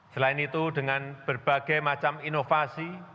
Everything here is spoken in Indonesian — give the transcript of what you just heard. selain itu dengan berbagai macam inovasi